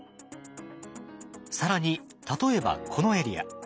更に例えばこのエリア。